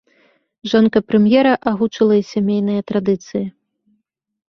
Жонка прэм'ера агучыла і сямейныя традыцыі.